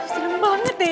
serem banget deh ya